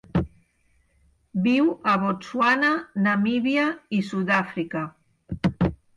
Viu a Botswana, Namíbia i Sud-àfrica.